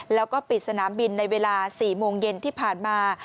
แล้วก็ปิดสนามบินในเวลา๔โมงเย็นที่ผ่านมา